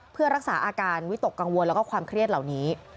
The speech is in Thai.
เพื่อรักษาอาการวิตกกังวลแล้วก็ความเครียดเหล่านี้